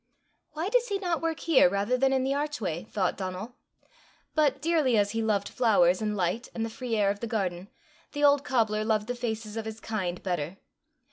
"Why does he not work here rather than in the archway?" thought Donal. But, dearly as he loved flowers and light and the free air of the garden, the old cobbler loved the faces of his kind better.